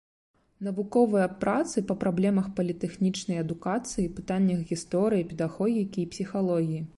Навуковыя працы па праблемах політэхнічнай адукацыі, пытаннях гісторыі педагогікі і псіхалогіі.